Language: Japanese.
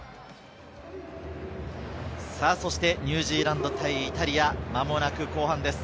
そしてニュージーランド対イタリア、間もなく後半です。